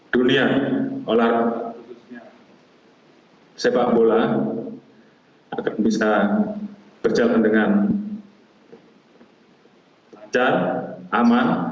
dunia olahraga khususnya sepak bola akan bisa berjalan dengan lancar aman